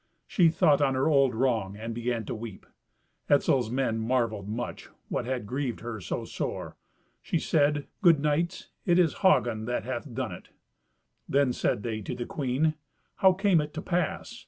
She thought on her old wrong, and began to weep. Etzel's men marvelled much what had grieved her so sore. She said, "Good knights, it is Hagen that hath done it." Then said they to the queen, "How came it to pass?